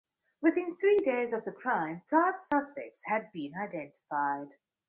Within three days of the crime, prime suspects had been identified.